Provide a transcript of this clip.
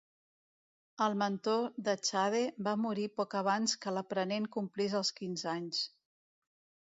El mentor de Chade va morir poc abans que l'aprenent complís els quinze anys.